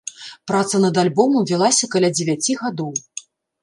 Праца над альбомам вялася каля дзевяці гадоў.